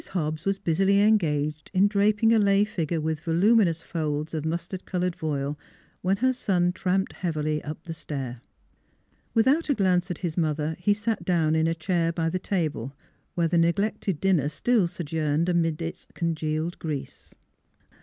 Hobbs was busily engaged in draping a lay figure with voluminous folds of mustard colored voile when her son tramped heavily up the stair. Without a glance at his mother he sat down in a chair by the table, where the neglected dinner still sojourned amid its con gealed grease.